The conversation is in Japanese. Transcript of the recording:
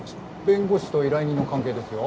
弁護士と依頼人の関係ですよ。